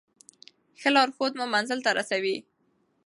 ښه لارښود مو منزل ته رسوي.